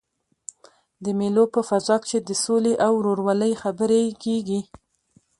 د مېلو په فضا کښي د سولي او ورورولۍ خبري کېږي.